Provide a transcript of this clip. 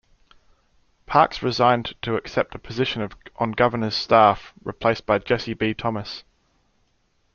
Parks resigned to accept a position on Governor's staff, replaced by Jesse B. Thomas.